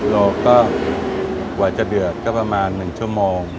เราก็กว่าจะเดือดก็ประมาณ๑ชั่วโมง